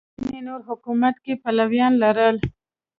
ځینې نور حکومت کې پلویان لرل